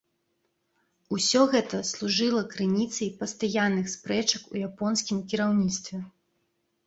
Усё гэта служыла крыніцай пастаянных спрэчак у японскім кіраўніцтве.